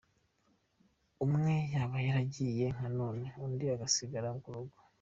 Umwe yaba yaragiye nka none, undi agasigara ku rugo.